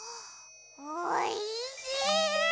おいしい！